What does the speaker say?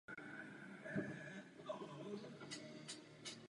Trojlodní stavba je chráněna jako kulturní památka České republiky.